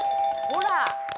ほら！